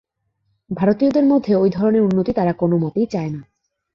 ভারতীয়দের মধ্যে ঐ ধরনের উন্নতি তারা কোন মতেই চায় না।